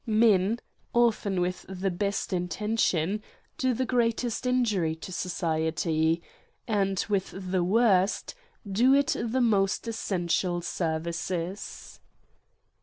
Men, often with the best intention, do the greatest injury to society, and, with the worst^ do it the most essential services.